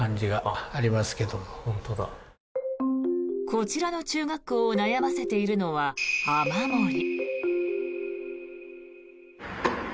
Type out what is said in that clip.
こちらの中学校を悩ませているのは雨漏り。